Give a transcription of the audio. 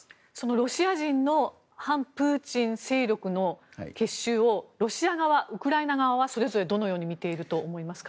ロシア人の反プーチン勢力の結集をロシア側、ウクライナ側はどう見ていると思いますか。